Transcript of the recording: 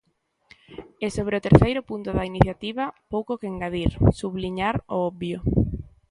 E sobre o terceiro punto da iniciativa, pouco que engadir; subliñar o obvio.